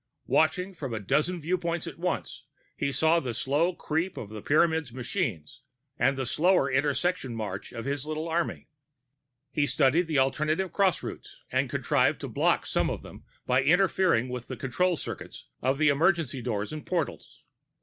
Watching from a dozen viewpoints at once, he saw the slow creep of the Pyramids' machines and the slower intersecting march of his little army. He studied the alternate cross routes and contrived to block some of them by interfering with the control circuits of the emergency doors and portals.